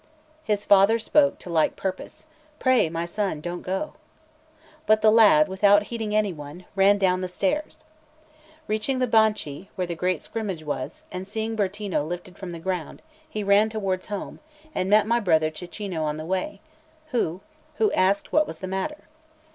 His father spoke to like purpose: "Pray, my son, don't go!" But the lad, without heeding any one, ran down the stairs. Reaching the Banchi, where the great scrimmage was, and seeing Bertino lifted from the ground, he ran towards home, and met my brother Cecchino on the way, who asked what was the matter.